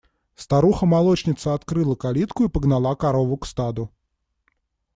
Старуха молочница открыла калитку и погнала корову к стаду.